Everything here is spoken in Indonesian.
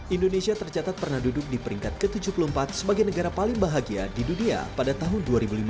indonesia tercatat pernah duduk di peringkat ke tujuh puluh empat sebagai negara paling bahagia di dunia pada tahun dua ribu lima belas